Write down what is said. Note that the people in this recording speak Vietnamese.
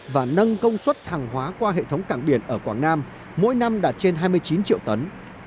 và nâng công suất hàng hóa qua hệ thống cảng biển ở quảng nam mỗi năm đạt trên hai mươi chín triệu tấn